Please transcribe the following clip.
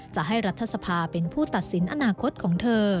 จะให้รัฐสภาเป็นผู้ตัดสินอนาคตของเธอ